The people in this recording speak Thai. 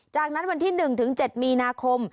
จากนั้นวันที่๑๗มีนาคม